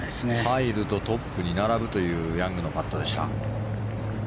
入るとトップに並ぶというヤングのパットでした。